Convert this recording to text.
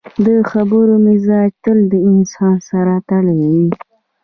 د خبرو مزاج تل د انسان سره تړلی وي